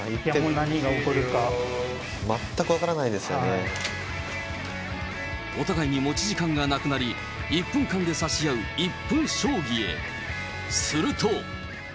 何が起こるか、全く分からないでお互いに持ち時間がなくなり、１分間で指し合う１分将棋へ。